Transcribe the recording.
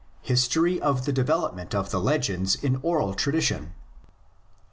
HISTORY OF THE DEVELOPMENT OF THE LEGENDS OF GENESIS IN ORAL TRADITION.